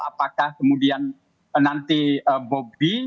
apakah kemudian nanti bobby